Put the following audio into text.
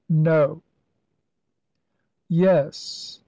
"No!" "Yes.